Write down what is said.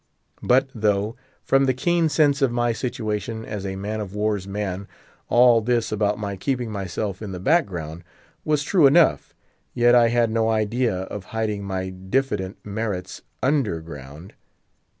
But though, from the keen sense of my situation as a man of war's man all this about my keeping myself in the back ground was true enough, yet I had no idea of hiding my diffident merits under ground.